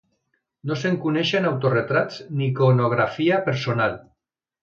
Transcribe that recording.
No se’n coneixen autoretrats ni iconografia personal.